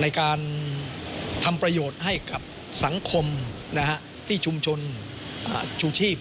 ในการทำประโยชน์ให้กับสังคมที่ชุมชนชูชีพ